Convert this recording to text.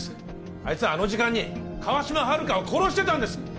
あいつはあの時間に川島春香を殺してたんです！